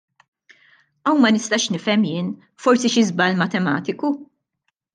Hawn ma nistax nifhem jien; forsi xi żball matematiku?